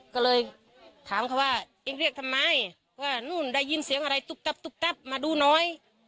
ก็เลยถามเขาว่าเองเรียกทำไมว่านู่นได้ยินเสียงอะไรตุ๊บตับตุ๊บตับมาดูหน่อย